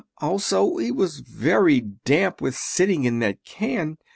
Also he was very damp with sitting in that can.